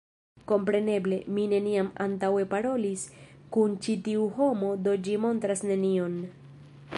Kompreneble, mi neniam antaŭe parolis kun ĉi tiu homo do ĝi montras nenion